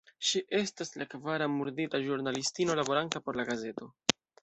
Ŝi estas la kvara murdita ĵurnalistino laboranta por la gazeto.